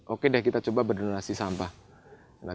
oke deh kita coba berdonasi sampah